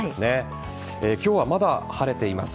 今日はまだ晴れています。